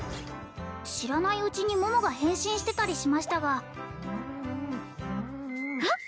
知らないうちに桃が変身してたりしましたがあっ！